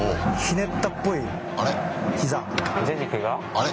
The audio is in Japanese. あれ？